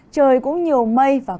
trời cũng nhiều mây và khóa